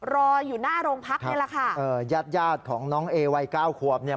รออยู่หน้าโรงพักนี่แหละค่ะเออญาติญาติของน้องเอวัยเก้าขวบเนี่ย